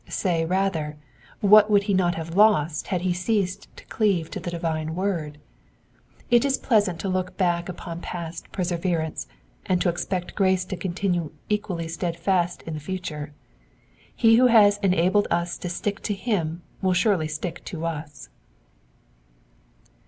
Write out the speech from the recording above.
Say rather, what would he not have lost if he had ceased to cleave to the divine word ? It is pleasant to look back upon past perseverance and to expect grace to continue equally steadfast in the future. He who has enabled us to stick to him will surely stick to us.